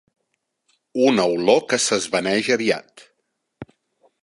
Una olor que s'esvaneix aviat.